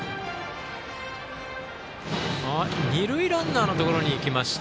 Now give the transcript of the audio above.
二塁ランナーのところに行きました。